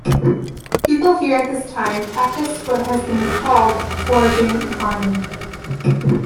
People here at this time practised what has been called a foraging economy.